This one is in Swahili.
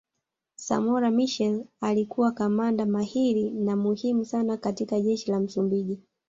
Samora Machel alikuwa kamanda mahiri na muhimu sana katika jeshi la Msumbiji